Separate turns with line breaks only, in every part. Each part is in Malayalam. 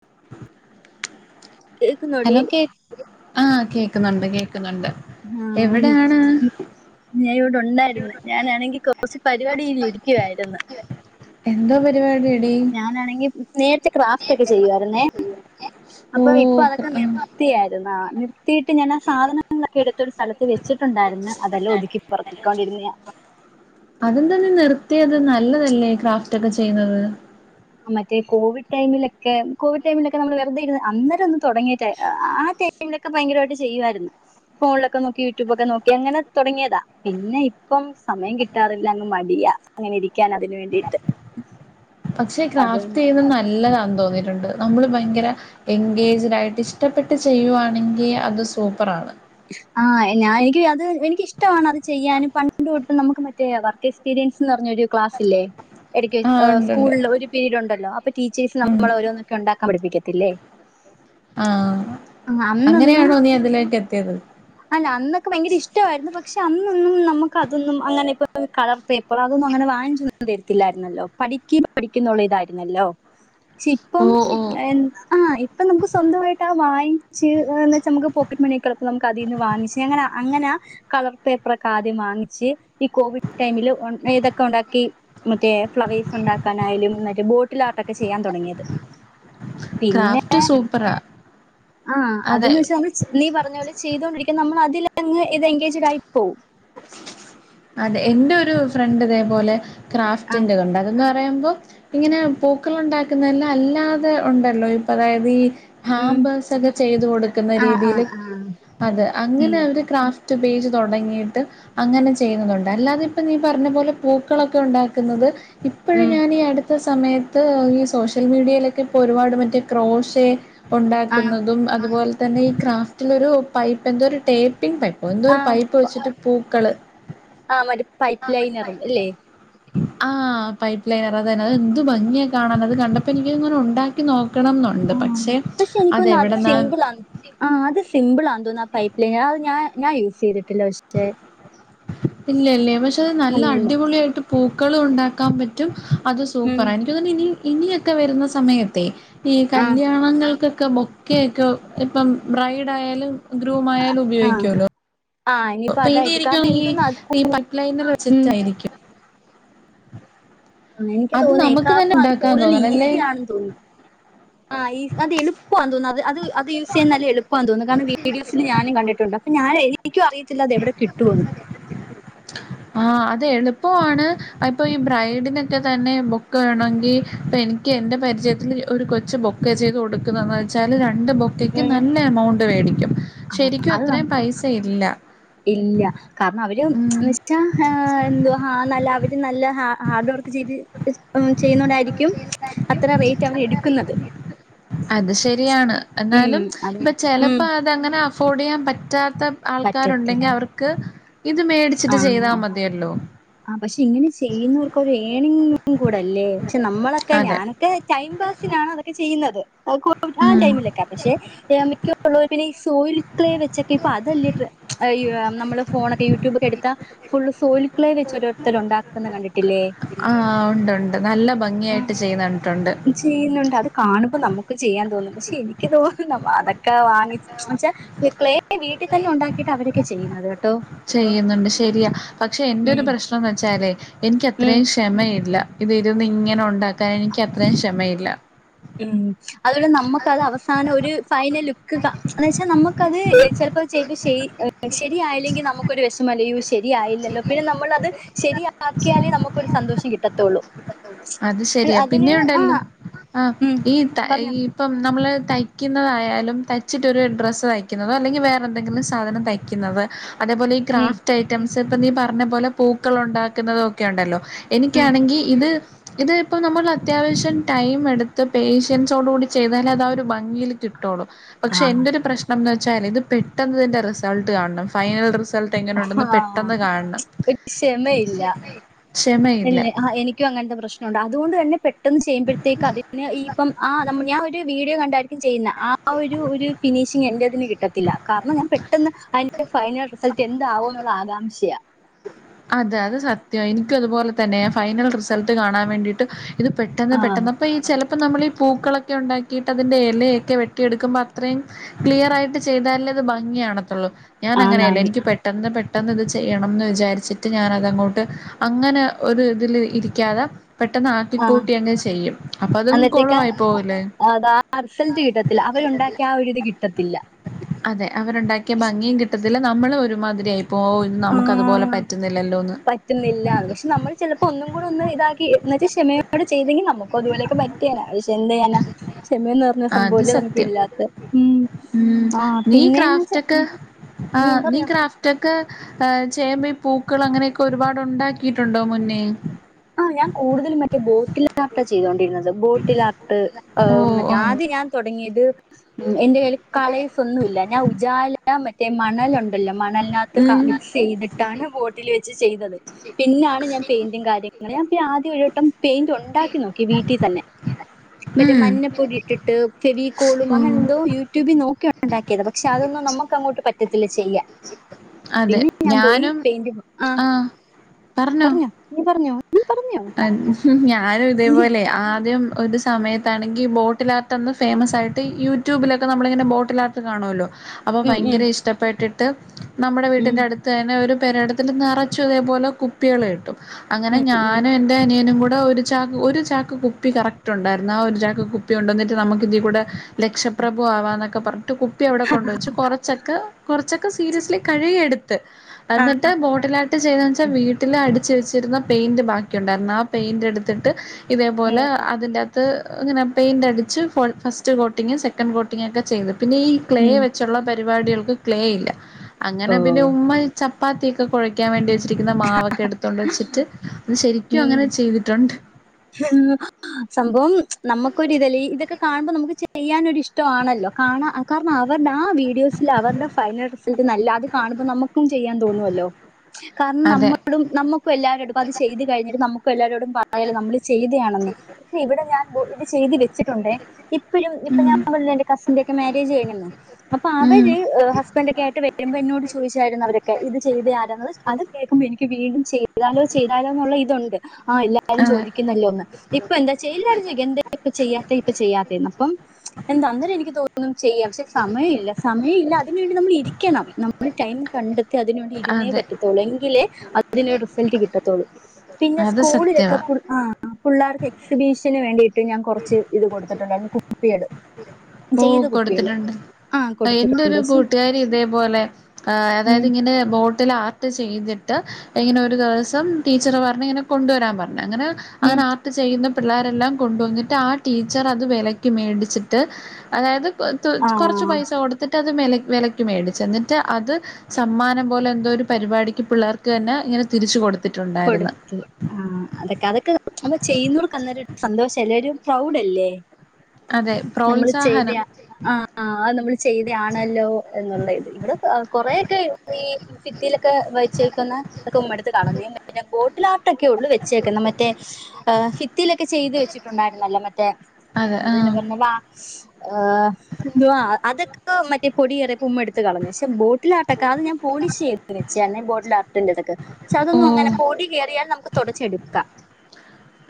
[inaudible]
കേക്കുന്നോടി
ഹലോ കേക്ക് ആ കേക്കുന്നുണ്ട് കേ
ആഹ്
എവിടെയാണ്
ഞാൻ ഇവിടെ ഉണ്ടായിരുന്നു ഞാനാണെങ്കി കുറച്ച് പരിപാടിൽ ഇരിക്കുവായിരുന്നു
എന്തോ പരിപാടിയെടി
ഞാനാണെങ്കി നേരത്തെ ക്രാഫ്റ്റ് ഒക്കെ ചെയ്യുവായിരുന്നേ
ഓ
അപ്പൊ ഇപ്പൊ അതൊക്കെ നിർത്തിയായിുന്ന നിർത്തിയിട്ട് ഞാൻ ആ സാധനങ്ങളൊക്കെ എടുത്തൊരു സ്ഥലത്ത് ത്ത് വെച്ചിട്ടുണ്ടായിന്ന് അതെല്ലാം ഒതുക്കി പുറക്കൊണ്ടിരുന്ന
അതെന്തന്നെ നിർത്തിയ അത് നല്ലതല്ലേ ക്രാഫ്റ്റ് ഒക്കെ ചെയ്യുന്നത്
മറ്റേ കോവിഡ് ടൈമിലൊക്കെ കോവിഡ് ടൈമിലൊക്കെ നമ്മള് വെറുതെ അന്നരം ഒന്നന്ന് തുടങ്ങിയിട്ട ആ ടൈമിലൊക്കെ ഭയങ്കരമായിട്ട് ചെയ്യുായിരുന്നു ഫോണിലൊക്കെ നോക്കി യൂട്യൂബ ഒക്കെ നോക്കി അങ്ങനെ തുടങ്ങിയതാ പിന്നെ ഇപ്പം സമയം കിട്ടാറില്ല അങ്ങ് മടിയാ അങ്ങനെ ഇരിക്കൻ അതിന് വേണ്ടിട്ട്
പക്ഷെ ക്രാഫ്റ്റ് ചെയ്യുന്നത് നല്ലതാണ് തോന്നിയിട്ടുണ്ട് നമ്മൾ ഭയങ്കര എൻഗേജഡ് ആയിട്ട് ഇഷ്ടപ്പെട്ട് ചെയ്യുവാണെങ്കിൽ അത് സൂപ്പറാണ്
ആഹ ഞാൻ എനിക്ക് അത് എനിിക്ക ഇഷ്ടമാണ് അത് ചെയ്യാനും പണ്ട തൊട്ടും നമുക്ക് മറ്റേ വർ പറഞ്ഞൊ ക്ലാസ്സല്ലേ എ
ആഹ് ഉണ്ടുണ്ട്
സ്കൂളിൽ ഒരു പീരീഡ് ഉണ്ടല്ലോ അപ്പൊ ടീച്ചേഴ്സ് നമ്മള ഓരോന്നൊക്കെ ഉണ്ടാക്കാൻ പഠിപ്പിക്കത്തില്ലേ
ആഹ
ആഹ് അന്നൊന്നും
അങ്ങനെയാണോ നീ അതിലേക്ക് എത്തി
അല്ല അന്നൊക്കെ ഭയങ്കര ഇഷ്ടമായിരുന്നു പക്ഷെ അന്ന്
ആ
നമു അതൊന്നും അങ്ങനെ ഇ കളർ പേപ്പർ അതൊന്നും അങ്ങനെ വാങ്ങിച്ചൊന്ന തരല്ലായിുന്നല്ലോ പഠിക്ക പഠിക്ക ല്ലോപ്പ
ഓ ഓ
നു സ്വന്ത വെച്ച നുക്ക് പോക്കറ്റ് മണൊ ന കതിന്ന് വാങ്ങിച്ച് അങ്ങനെ അങ്ങനെ കളർ പേപ്പർക്കെ ആദ്യം വാങ്ങിച്ച് ഈ കോവിഡ് ടൈമില് ഇതൊക്കെ ഉണ്ടാക്കി മറ്റേ ഫ്ലവേഴ്സ് ഉണ്ടാക്കാനായാലും മറ്റേ ബോട്ടിൽാർട്ടൊക്കെ ചെയ്യാൻ തുടങ്ങിയത്
ക്രാഫറ്റ് സൂപ്പറ
ആഹ് അതന്ന് വെച്ചാ നമ്മ നീ പറഞ്ഞ പോലെ ചെയ്തോണ്ടിരിക്ക നമ്മ ഇതിൽ അങ്ങ് ഇത് എൻഗേജഡ് ആയി പോവും
അതെ എൻ്റെ ഒരു ഫ്രണ്ട് ഇതേപോലെ
ആ
ക്രാഫ്റ്റിൻ്റെ കൊണ്ട് അതൊ പറയുമ്പോ ഇങ്ങനെ പൂക്കള ഉണ്ടാക്കുന്നതെല്ലാം അല്ലാതെ ഉണ്ടല്ലോ ഇപ്പൊ അതായത് ഈ
ഉം,
ഹബേസ് ഒക്കെ ചെയ്തു കൊടുക്കുന്ന
ആ ആ
രീതിൽ
ആ
അത്
ഉം,
അങ്ങനെ അവര് ക്ഫ്റ്റ് പേ് തുടങ്ങിയിട്ട് അങ്ങനെ ചെയ്യുന്നുണ്ട് അല്ലാതെ ഇപ്പം നീ പറഞ്ഞ പോലെ പൂക്കളൊക്കെ ഉണ്ടാക്കുന്നത് ഇപ്പോഴും
ഉം,
ഞാൻീഈ അടുത്ത് ത്തെ സമയത്ത് ഈ സോഷ്യൽ മീഡിയയിലൊക്കെ ഇപ്പോൾ ഒരുപാട് മറ്റേ ക്രോഷേ
ആ
ഉണ്ടാക്കുന്നതും അതുപോലെ തന്നെ ഈ ക്രാഫ്റ്റിലൊരു പൈപ്പ് എന്ത ഒരു ടേപ്പ് ിങ് പൈപ്പ എന്തോ
ആ
ഒരു പൈപ്പ് വെച്ചിട്ട് പൂക്കള്
ആ മറ്റ പൈപ്പ് ലൈൻ ഇറങ്ങും അല്ലേ
ആഹ പൈ് ലൈന അതന്നെ അത് എന്ന്ത് ഭംഗിയ കാണാൻ അത് കണ്ടപ്പോ എനിക്കങ്ങനെ ഉണ്ടാക്കി നോക്ക
ആ പക്ഷെ എനിക്കൊന്ന അത് സിമ്പിൾ ആ ആ അത് സിമ്പിൾ ആ അ പൈ് ലൈത് ഞാ ഞാ യൂസ് ചെയ്തിട്ട്
ഇല്ല ഇല്ലേ പക്ഷെ അത് നല്ല അടിപൊളിയായിട്ട് പൂക്കളും ഉണ്ടാക്കാൻ പറ്റും അത്
ഉം
സൂപ്പറാ [unintelligible] ഇനിയു ഇനിയൊക്കെ വരുന്ന സമയതേ ഈ
ആഹ്
കല്യാണങ്ങൾക്കൊക്കെ ബൊക്കെയൊക്കോ ഇപ്പം ബ്രയിഡ് ആയാലും ഗ്രൂമ് ആയാലും
ആഹ്
ഉപയോഗിക്കാല്ലോ
ഇനിയിപ്പോ അതായിട്ട്
പെയിന്റ്
കാരണം എനിക്കൊന്ന് അത്
[unintelligible]
കൂ-
ഈ പട്ട് ലൈനിൽ
ഉം
വെച്ചിട്ടായിരിക്കും
ആ എനിക്ക്
അത്
തോന്നി
നമുക്ക് തന്നെ
[unintelligible] അത്
ഉണ്ടാക്കാൻ
കൂടുതൽ
തോന്നണം അല്ലേ
ഈസിയാണെന്ന് തോന്നി ആഹ ഇ അത് എളുപ്പ തോന്നുന്നു അത് അത് അത് യൂസ്ചെയ്യാൻ നല്ല എളുപ്പ തോന്നുന്നു കാരണം വീഡിയോസിൽ ഞാനും കണ്ടിട്ടുണ്ട് ണ്ട് അപ്പൊ ഞാൻ എനിക്കും അറിയത്തില്ല അതെവിടെ കിട്ടുവന്ന്
ഇപ്പോ ആണ് ഇപ്പോ ഈ ബ്രൈഡിനൊക്കെ തന്നെ ബൊക്ക വേണങ്കിൽ എനിക്ക് എന്റെ പരിചയത്തിൽ ഒരു കൊച്ച് ബൊക്ക ചെയ്ത് കൊടുക്കുന്നതെന്ന് വെച്ചാൽ രണ്ട് ബൊക്കയ്ക്ക്
ഉം
നല്ല എമൗണ്ട് വേടി [unintelligible] ശരിക്കും
അത്
അത്രയും
നം-
പൈസ ഇല്ല
ന
ഉം.
[unintelligible] എന്തുവാ ആ നല്ല [unintelligible] നല്ല ഹാ ഹാർഡ് വർക്ക് ചെയ്ത് ഏ ചെയ്യുന്നോണ്ടായിരിക്കും അത്ര റേറ്റ് അവര് എടുക്കുന്നത്
അത് ശരിയാണ്
ഉം
എന്നാലും
അത്
ഇപ്പൊ
ഉം
ചിലപ്പോ അതങ്ങനെ അഫോർഡ് ചെയ്യാൻ പറ്റാ ത്ത
പറ്റത്തില്ല
ആൾക്കാരുണ്ടെങ്കിൽ അവർക്ക് ഇത് മേടിച്ചിട്ട് ചെയ്താ
ആഹ്
മതിയല്ലോ
ആ പക്ഷെ ഇങ്ങനെ ചെയ്യുന്നവർക്കൊരു ഏർണിങ് കൂടെല്ലേ പക്ഷെ നമ്മളൊക്കെ
അതെ.
ഞാനൊക്കെ ടൈം പാസിന ആ അതൊക്കെ ചെയ്യുന്നത് ഏ കോവിഡ് ആ ടൈമിലൊക്കെ പക്ഷെ ഏ മിക്കുള്ളൊരു പിന്നെ ഈ സോയിൽ ക്ലേ വെച്ചൊക്കെ ഇപ്പൊ അതല്ല ട്രെ [unintelligible] നമ്മള് ഫോണൊക്കെ യൂട്യൂബക്കെ എടുത്ത ഫുൾ സോയിൽ ക്കളെ വെച്ച് രോരുത്തർ ഉണ്ടാക്കന്ന് കണ്ടിട്ടില്ലേ
ആഹ് ഉണ്ടുണ്ട് നല്ല
ഉം
ഭംഗിയായിട്ട് ചെയ്യുന്നുട്ടുണ്ട്
ഇ ചെയ്യുന്നുണ്ട് അത് കാണുമ്പോ നമുക്ക് ചെയ്യാൻ തോന്നും പക്ഷെ എനിക്ക് തോന്നുന്നു അതൊക്കെ വാങ്ങിച്ച ഇ ക്ലെയ് [inaudible] വീട്ടിൽ തന്നെ ഉണ്ടാക്കിട്ട് അവരൊക്കെ ചെയ്യുന്നത് കേട്ടോ
ചെയ്യുന്നുണ്ട് ശരിയാ പക്ഷെ എന്റെ ഒരു
ഉം
പ്രശ്നംന്ന് വെച്ചാല് എനിക്ക്
ഉം
അത്രയും ക്ഷമയില്ല ഇത് ഇരുന്ന് ഇങ്ങനെ ഉണ്ടാക്കാൻ എനിക്ക് അത്രയും ക്ഷമയില്ല
ഉം അതുകൊണ്ട് നമുക്കത് അവസാനം ഒരു ഫൈനൽ ലുക്ക് ക എന്ന് വച്ചാ നമുക്കത് ചിലപ്പോത് ചെയ്യ്ത് ശരി ശരിയായില്ലെങ്കിൽ നമുക്കൊരു വെഷമല്ലേ [unintelligible] ശരിയായില്ലല്ലോ പിന്നെ നമ്മളത് ശരിയാക്കിയാലേ നമുക്കൊരു സന്തോഷം കിട്ടത്തുള്ളൂ
അത് ശരിയാ
അതിന്
പിന്നെ ഉണ്ടല്ലോ
ആഹ്
ആഹ
ഉം
ഈ ത
പറഞ്ഞോ
ഈപ്പം നമ്മള് തയ്ക്കുന്നതായാലും തയ്ച്ചിട്ടൊരു ഡ്രസ്സ് തയ്ക്കുന്നതോ അല്ലെങ്കിൽ വേറെ എന്തെങ്കിലും സാധനം തയ്ക്കുന്നത് അതേപോലെ ഈ
ഉം
ക്രാഫ്റ്റ് ഐറ്റംസ് ഇപ്പൊ നീ പറഞ്ഞ പോലെ പൂക്കൾ ഉണ്ടാക്കുന്നതും ഒക്കെ ഉണ്ടല്ലോ
ഉം
എനിക്കാണെങ്കി ഇത് ഇത് ഇപ്പോ നമ്മൾ അത്യാവശ്യം ടൈം എടുത്ത് പേഷ്യൻസോടു കൂടി ചെയ്താലേ അത് ആ ഒരു ഭംഗിയിൽ കി ട്ടൂള്ളു പക്ഷെ
ആഹ്
എന്റെയൊരു പ്രശ്നം എന്ന് വെച്ചാൽ ഇത് പെട്ടന്ന് അതിന്റെ റിസൾട്ട് കാണണം ഫൈനൽ റി
ആഹ് ഒരു ക്ഷമയില്ല
ക്ഷമയില്ല
ഇല്ല ആ എനിക്കും അങ്ങനത്തെ പ്രശ്ന മുണ്ട് അതുകൊണ്ട് തന്നെ പെട്ടെന്ന് ചെയ്യുമ്പോഴത്തേക്ക് അതിന് ഈ ഇപ്പം ആ നമ്മ ഞാൻ ഒരു വീഡിയോ കണ്ടായിരിക്കും ചെയ്യുന്നേ ആ ഒരു ഒരു ഫിനിഷിംഗ് എന്റേതിന് കിട്ടത്തില്ല കാരണം ഞാൻ പെട്ടെന്ന് അ ഫൈനൽ റിസൾട്ട് എന്താവൂന്നുള്ള ആകാംക്ഷയാ
അതെ അത് സത്യവാ എനിക്കും അതുപോലെ തന്നെയാ ഫൈനൽ റിസൾട്ട് കാണാൻ വേണ്ടീട്ട് [unintelligible] അപ്പോ ഇത് പെട്ടെന്ന്
ആ
പെട്ടെന്ന് അപ്പൊ ഈ ചില അപ്പ നമ്മള് ഈ പൂക്കളൊക്കെ ഉണ്ടാക്കിട്ട് അതിന്റെ എലയൊക്കെ വെട്ടിയെടുക്കുമ്പോ അത്രയും ക്ലിയർ ആയിട്ട് ചെയ്താലല്ലേ ഭംഗി- [unintelligible] ത്തുള്ളൂ ഞാൻ അങ്ങനയല്ല
ആന്നാന്ന്
എനിക്ക് പെട്ടെന്ന് പെട്ടെന്ന് ഇത് ചെയ്യണംന്ന് വിചാരിച്ച് ഞാൻ അത് അങ്ങോട്ട് അങ്ങനെ ഒരു ഇതില് ഇരിക്കാതെ- പെട്ടെന്ന്
ആ
ആക്കിക്കൂട്ടി അങ്ങ് ചെയ്യും അപ്പൊ അതും
അന്നത്തേക്ക്
കൊളവായി പോവില്ലേ
ണ്ടാക്കിയ ആ ഒരിത് കിട്ടത്തില്ല
അതെ അവരുണ്ടാക്കിയ ഭംഗിയും കിട്ടത്തില്ല നമ്മള് ഒരുമാതിരിയായിപ്പോവും നമുക്ക് അതുപോലെ പറ്റ-
പറ്റുന്നില്ലാന്ന് പക്ഷെ നമ്മൾ ചിലപ്പോ ഒന്നും കൂടി ഒന്ന് ഇതാക്കി- ക്ഷമയോടെ ചെയ്തെങ്കി നമുക്കും അതുപോലൊക്കെ പറ്റിയേനെ പക്ഷെ എന്ത് ചെയ്യാനാ ക്ഷമയെന്ന് പറഞ്ഞ
അത്
സംഭവല്ലേ നമുക്ക് ഇല്ലാത്ത
സത്യം.
ഉം
ഉം
ആ
നീ
പിന്നെന്ന് വച്ചാ-
ക്രാഫ്റ്റൊക്കെ ആഹ് നിക്രാഫ്റ്റാ- ക്കെ ചെയ്‌യുമ്പോ പൂക്കള് അങ്ങനെയൊക്കെ ഒരുപാട് ഉണ്ടാക്കിയിട്ടുണ്ടോ മുന്നേ
ആ ഞാൻ കൂടുതലും മറ്റേ ബോട്ടിൽ ആർട്ടാ ചെയ്തൊണ്ടിരുന്നത് ബോട്ടിലാർട്ട് മ്
ഓഹ് ആഹ്
ആദി ഞാൻ തൊ - തുടങ്ങിത് എന്റെ കയ്യില് കളേഴ്സ് ഒന്നുല്ല ഞാൻ ഉജാല മറ്റേ മണൽ ഉണ്ടല്ലോ മണൽ നാത്ത്
ഉം
മിക്സ് ചെയ്തിട്ടാണ് ബോട്ടിൽ വെച്ച് ചെയ്തത് പിന്നാണ് ഞാൻ പെയിന്റും കാര്യ- അങ്ങനെ ഞാൻ ആദ്യം ഒരുവട്ടം പെയിന്റ് ഒണ്ടാക്കി നോക്കി വീട്ടിൽ തന്നെ- മറ്റേ
ഉം
മഞ്ഞപ്പൊടി ഇട്ടിട്ട് ഫെവികോളും അങ്ങനെ
ഓഹ്
എന്തോ യൂട്യൂബിൽ നോക്കിയാ ഉണ്ടാക്കിയത് പക്ഷെ അതോ - എന്നാ നമ്മക്ക് അങ്ങോട്ട് പറ്റത്തില്ല ചെയ്യാൻ-
അതെ
പിന്നെ ഞാൻ പോയി
ഞാനും
പെയിന്റ് ആ
ആഹ്
പറഞ്ഞോ പറഞ്ഞോ പറഞ്ഞോ
ഞാനും ഇതേപോലെ ആദ്യം ഒരു- സമയത്താണെങ്കിൽ ബോട്ടിലാർട്ട് ഒന്ന് ഫേമസ് ആയിട്ട് യൂട്യൂബിലൊക്കെ നമ്മളിങ്ങനെ ബോട്ടിലാർട്ട് കാണുമല്ലോ അപ്പൊ
ഉം ഉം
ഭയങ്കര ഇഷ്ടപ്പെട്ടിട്ട് നമ്മുടെ
ഉം
വീട്ടിന്റെ അടുത്ത് തന്നെ ഒരു- പേരടത്തിന്റ നറച്ചു അതേപോലെ കുപ്പികൾ കിട്ടും അങ്ങനെ
ഉം
ഞാ
ഉം
- എന്റെ അനിയനും കൂടെ ഒരു ചാക്ക് ഒരു ചാക്ക് കുപ്പി കറക്റ്റ് ഉണ്ടായിരുന്നു ആ ഒരു ചാക്ക് കുപ്പി കൊണ്ടുവന്നിട്ട് നമുക്ക് ഇതിക്കൂടെ- ലക്ഷപ്രഭു ആവാൻന്നൊക്കെ പറഞ്ഞു- ട്ട് കുപ്പി അവിടെ കൊണ്ടോച്ച് കൊറച്ചൊക്കെ കുറച്ചൊക്കെ സീരിയസ്ലി കഴുകിയെടു ത്ത് എന്നിട്ട് ബോട്ടിലാ ആർട്ട് ചെയ്ത വെച്ചാ
ഉം
വീട്ടിൽ അടിച്ച് വെച്ചിരുന്ന പെയിന്റ് ബാക്കി ബാക്കി ഉണ്ടായിരുന്ന ആ പെയിന്റ് എടുത്തിട്ട് ഇതേപോലെ
ഉം
അതിനത്ത് അങ്ങനെ പെയിന്റ് അടിച്ച് ഫസ്റ്റ് കോട്ടിങ്ങ് സെക്കൻഡ് കോട്ടിങ്ങ് ഒക്കെ ചെയ്ത് പിന്നെ ഈ ക്ലേ
ഉം
വെച്ചുള്ള പ പരിപാടികൾക്ക് ക്ലെയ് ഇല്ല അങ്ങനെ
ഓ
പിന്നെ ഉമ്മ ചപ്പാത്തിക്കെ കുയക്കാൻ വേണ്ടി വെ രിക്കുന്ന മാവൊക്കെ എടുത്തൊണ്ട് വെച്ചിട്ട് അത് ശരിക്കും അങ്ങനെ ചെയ്തിട്ടുണ്ട്.
ഉമ് സംഭവം നമ്മുക്കൊരുതല്ലേ ഇ ഇതൊക്കെ കാണുമ്പോൾ നമുക്ക് ചെയ്യാനൊരു ഇഷ്ടാണല്ലോ കാണ കാരണം അവരുടെ ആ വീഡിയോസിൽ അവരുടെ ഫൈനൽ റിസൾട്ട് നല്ലാ അത് കാണുമ്പോ നമ്മുക്കും ചെയ്യാൻ തോന്നുവല്ലോ കാരണം
അതെ
നമ്മളും നമ്മക്കും എല്ലാവറിടുബോ അത് ചെയ്ത് കഴിഞ്ഞിട്ട് നമുക്കും എല്ലാവരോടും പറയാല്ലോ നമ്മള് ചെയ്തെയാണെന്ന് പക്ഷെ ഇവിടെ ഞാൻ ഇത് ചെയ്തു വെ- - ച്ചിട്ടുണ്ടെ ഇപ്പാഴും ഇപ്പ
ഉം
ഞാൻ എന്റെ കസിന്റെ ഒക്കെ മാരേജ് കഴിഞ്ഞെന്ന് അപ്പൊ
ഉം
അവര് ഹസ് ബന്റ് ഒക്കെ ആയിട്ട് വരുമ്പോ എന്നോട് ചോദിച്ചായിരുന്നു അവരൊക്ക ഇത് ചെയ്തെ ആരാന്ന് അത് കേൾക്കുമ്പോ എനിക്ക് വീണ്ടും ചെയ്താലോ ചെയ്താലോ എന്നുള്ള ഇതുണ്ട് ആഹ് എല്ലാരും
അതെ
ചോദി നല്ലോന്ന് ഇപ്പൊ എന്താ ചെയ്യ് എല്ലാരും - എന്തെ ഇപ്പാ ചെയ്യാത്തെ ഇപ്പ ചെയ്യാത്തന്ന് അപ്പം എന്താേരം എനിക്ക് തോന്നും ചെയ്യാം പക്ഷെ സമയമില്ല സമയില്ല അതിന് വേണ്ടി നമ്മൾ ഇരിക്കണം നമ്മള് ടൈം കണ്ടെ- അതിന് വണ്ടി ഇരുന്നേ
അതെ
പറ്റത്തുള്ളൂ എങ്കിലേ അതിനരു റിസൾട്ട് കിട്ടത്തൊള്ളൂ പിന്നെ
അത് സത്യവാ
സ്കൂളിലൊക്കെ- ആ പിള്ളേർക്ക് എക്സിബിഷന് വേണ്ടിയിട്ട് ഞാൻ കുറച്ച് ഇത് കൊടുത്തിട്ടുണ്ടായിരുന്നു കുപ്പിയാള്
ഓ കൊടുത്തിട്ടുണ്ട് എന്റെ ഒരു
കൊടുത്തിട്ടുണ്ട്
കൂട്ടുകാരി ഇതേപോലെ
ഉം
അതായത് ഇങ്ങനെ ബോട്ടി - ലെ ആർട്ട് ചെയ്തിട്ട് ഇങ്ങനെ ഒരു ദിവസം ടീച്ചറ് പറഞ്ഞ് ഇങ്ങനെ കൊണ്ടുവരാൻ പറഞ്ഞു അങ്ങനെ
ഉം
അങ്ങനെ ആർട്ട് ചെയ്യുന്ന പിള്ളേരെല്ലാം കൊണ്ട് വന്നിട്ട് ആ ടീച്ചർ അത് വിലക്ക് മേടിച്ചിട്ട് അതായത്
ആ
കുറച്ച് പൈസ കൊടുത്തിട്ട്- മേല വിലയ്ക്ക് മേടിച്ചു എന്നിട്ട് അത് സമ്മനം പോലെ എന്തോ ഒരു പരിപാടിക്ക് പിള്ളേർക്ക് തന്നെ ഇങ്ങനെ തിരിച്ചുകൊടു-
കൊടുത്ത് ആ അതൊക്കെ അതൊക്കെ ചെയ്യുന്നർക്ക്അന്നൊരു സന്തോഷല്ലേ ഒരു പ്രൗഡല്ലേ
അതെ പ്രോത്സാഹനം
ആ അത് നമ്മൾ ചെയ്തയാണല്ലോ എന്നുള്ള ഇത് ഇവിടെ കൊറേക്കെ ഈ - ഭിത്തിലേക്കെ വെച്ചേക്കുന്ന ഉമ്മ എടുത്ത് കാളാഞ്ഞ്ന്ന് ബോട്ടിലാർട്ടൊക്കെ ഉള്ളൂ വെച്ചേക്കുന്നത് മറ്റേ ഫിത്തിയിലൊക്കെ ചെയ്ത് വെച്ചിട്ടുണ്ടായിരുന്നല്ലോ മറ്റേ
അതെ ആഹ്
[unintelligible] ആഹ് എന്തുവാ അതക്ക മറ്റേ പൊടി എര ഉമ്മഎടുത്ത് കളഞ്ഞ് ശെ ബോട്ടിലാർട്ടൊക്കെ അത് ഞാൻ പോളിഷയ്ത് വെച്ചെആണ് ബോട്ടിൽ ആാർട്ടില്ലതൊക്കെ ശെ അതൊന്നു അങ്ങനെ
ഓഹ്
റിയാൽ നമുക്ക് തൊടച്ചെടുക്കാം.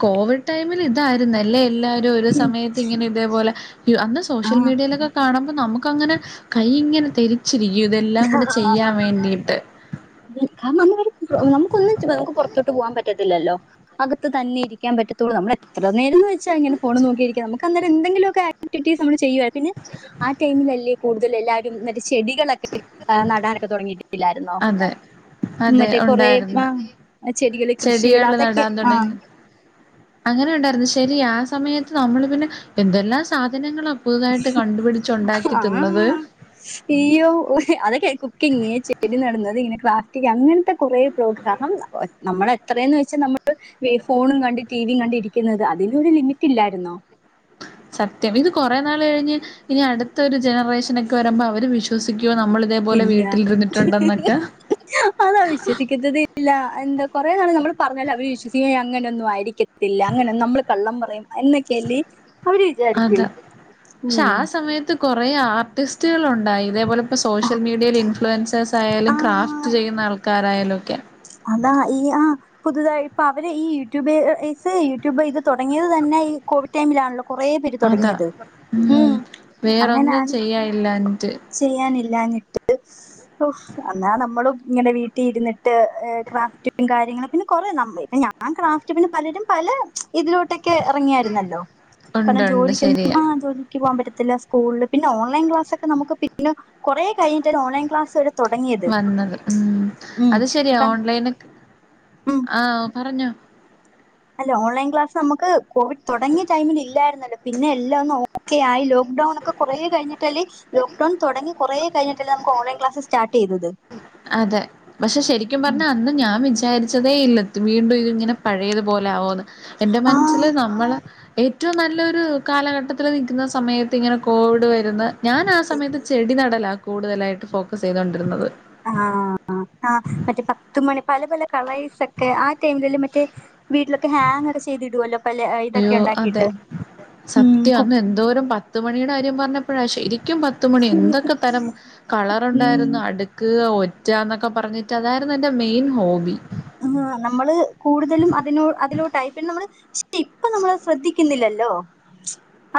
കോവി ടൈമിൽ ഇതായിരുന്നല്ലേ എല്ലാരും ഒരു സമയത്ത് ഇങ്ങനെ ഇതേപോലെ അന്ന് സോഷ്യൽ
ആഹ്
മീഡിയയിലൊക്കെ കാണുമ്പോ നമുക്കങ്ങനെ കൈയ്യിങ്ങനെ തരി ച്ചിരിക്കും ഇതെല്ലാം കുടെ ചെയ്യാൻ വേണ്ടിയിട്ട്.
കാരണം അങ്ങനൊരു നമുക്ക് ഒന്നിച്ച് നമുക്ക് പുറത്തോട്ട് പോകാൻ പറ്റത്തില്ലല്ലോ അകത്ത് തന്നെ ഇരിക്കാൻ പറ്റത്തുള്ളൂ നമ്മടെ ത്രനേരന്ന് വ ച്ചങ്ങനെ ഫോണുന്നോക്കിയിരിക്കാ നമുക്കന്നേരം എന്തെങ്കിലൊക്കെ ആക്ടിവിറ്റീസ് നമ്മള് ചെയ്യുവ പിന്നെ ആ ടൈമിലല്ലേ കൂടുതൽ എല്ലാവരും ന്നിട്ട് ചെടികളൊക്കെ നടാനൊക്കെ തുടങ്ങിയിട്ട് ല്ലാരുന്നോ
അതെ അതെ
മറ്റേ കൊറേ മാ
ഉണ്ടായിരുന്നു
ചെ ടികൾ കൃഷികൾ
ചെടികൾ
അതൊക്കെ
നടാൻ
ആഠ
തുടങ്ങി അങ്ങനെ ഉണ്ടായിരുന്നു ശരി ആ സമയത്ത് നമ്മള് പിന്നെ എന്തെല്ലാ സാധനങ്ങള പുതുതായിട്ട് കണ്ടുപിടിച്ചു
ആ ആ ഇയ്യോ ഉഹ് അതൊക്കെ കുക്കിങ് ചെടി നടന്നത്ങ്ങനെ പ്ലാസ്റ്റിക്ക് അങ്ങൻത്തെ കുറേ പ്രോഗ്ര ണം നമ്മൾ നമ്മളെത്രേന്ന് വെച്ച് നമ്മള് ഹേ ഫോണും കണ്ട് ടി ടി വി കണ്ടിരിക്കുന്നത് അതിലൊരു ലിമിറ്റില്ലായിരുന്നോ.
സത്യം ഇത് കുറേ നാളെഴിഞ്ഞ് ഇനി അടുത്തൊരു ജനറേഷനൊക്കെ വരുമ്പോ അവര് വിശ്വസിക്ക യ്യോ നമ്മൾ ഇതേപോലെ
ഇല്ല
വീട്ടിലിരുന്നിട്ടുണ്ടോന്നിട്ട് എ ആഹ്
എന്ത കൊറെ നാൾ നമ്മള് പറഞ്ഞാല് അവര് വിശ്വസിക്ക അങ്ങനെ ഒന്നും ആയിരിക്കത്തില്ല അങ്ങനെന്നമ്മള് കള്ളം പറയും. എന്നൊക്കെയല്ലേ അവര് വിചാരിക്കൂ ഉം
കുറേ ആർട്ടിസ്റ്റുകളുണ്ടായി ഇതേപോലെ പ്പോ സോഷ്യൽ മീഡിയയിൽ ഇൻഫ്ലുവൻസേഴ്സ് ആായാലും
ആഹ്
ക്രാഫ്റ്റ് ചെയ്യുന്ന ആൾക്കാരായാലൊക്കെ
അതാ ഈ ആ പുതുതായി പ്പൊ അവര് ഈ യൂട്യൂബേയ്‌സ് യൂട്യൂബൈത് തുടങ്ങിയത് തന്നെ ഐൽ കോവിടൈമിലാണല്ലോ കൊറേ പേര്
അതാ
തുടങ്ങിയത് ഉം
വേറൊന്നും
അങ്ങനാണ്.
ചെയ്യാനില്ലാഞ്ഞിട്ട്
ചെയ്യാനില്ലാഞ്ഞിട്ട് ഒ എന്നാ നമ്മളും ഇങ്ങനെ വീട്ടി ഇരുന്നിട്ട് എ ഏഹ് ക്രാഫ്റ്റും കാര്യങ്ങളും പിന്നെ കൊറേ നമ്മൾ ഞാൻ ക്രാഫ്റ്റുകളും പലരും പലെ ഇതിലോട്ടൊക്കെ എറങ്ങിയായിരുന്നല്ലോ
ഉണ്ട്
കാരണം
ഉണ്ട്
ജോലിക്കൊന്നും
ശരിയാ
ആ ജോലിക്ക് പോകാൻ പറ്റത്തില്ല. സ്കൂളില് പിന്നെ ഓൺലൈൻ ക്ലാസൊക്കെ നമുക്ക് പിന്നെ കുറേ കഴിഞ്ഞിട്ടാണ് ഓൺലൈ ക്ലാസെടു
വന്നത് ഉം അത് ശരിയാ
കാരണം
ഓൺലൈനൊക്ക്
ഉം
ആ പറഞ്ഞേ
അല്ല ഓൺലൈൻ ക്ലാസ്സ് നമുക്ക് കോവിഡ് തുടങ്ങിയ ടൈമിൽ ഇല്ലായിരുന്നല്ലോ പിന്നെ എല്ലാ ഒന്ന് ഓക്കെ ആയില്ലോ ഡോണൊക്കെ കുറേ കഴിഞ്ഞിട്ടല്ലേ ലോക്ക്ഡോൺ തുടങ്ങി കുറേ കഴിഞ്ഞിട്ടല്ലേ നമക്ക് ഓൺലൈ ക്ലാസ് സ്റ്റാർട്ട് ചെയതത്.
അതെ പക്ഷെ ശരിക്കും പറഞ്ഞാ അന്നും ഞാൻ വിച് വിചാരിച്ചതേ ഇല്ല ത് വീണ്ടു ഇത്ങ്ങനെ പഴയതുപോലെ ആവൂന്ന് എന്റെ
ആ
മൻസ്സില് നമ്മള് ഏറ്റവു നല്ലൊരു കാലഘട്ടത്തില് നിൽക്കുന്ന സമയത്തിങ്ങനെ കോവിഡ് വരുന്ന ഞാൻ ആ സമയത്ത് ചെടി നടല കൂടുതലായിട്ട് ഫോക്കസ് ചെയ്തോണ്ടിരുന്നത്.
ആ അ ആ മറ്റേ പത്തുമണി പല പല കളേഴ്സക്കെ ആ ടൈമില് മറ്റേ വീട്ടിലൊക്കെ ഹാങ്ങൊക്കെ ചെയ്തിടോല്ലോ.
അയ്യോ അതെ
ഉം,
സത്യ
കു-
അന്നെന്തോരം പത്ത് മണിയുടാര്യം പറഞ്ഞപ്പോഴാ ശരിക്കു ക്കും പത്തുമണി എന്തൊക്കെ തരം
ഉം,
കളറുണ്ടായിരുന്നു അടുക്കു ഒ റ്റ ന്നൊക്കെ പറഞ്ഞിട്ട് അതായിരുന്നെന്റെ മെയിൻ ഹോബി.
ആ നമ്മള് കൂടുതലും അതിനോ അതിലോ ടൈപ്പിനമ്മള് ശ് ഇപ്പൊ നമ്മളത് ശ്രദ്ധിക്കുന്നില്ലല്ലോ.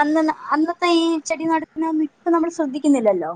അന്നന്ന് അന്നത്തെ ഈ ചെടി നടന്നന്നും ഇപ്പം നമ്മൾ ശ്രദ്ധിക്കുന്നില്ലല്ലോ.